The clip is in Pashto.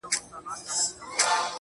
ژوند له کاره نه وده کوي.